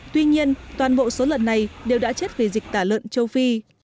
tuy nhiên toàn bộ số lợn này đều đã chết vì dịch tả lợn châu phi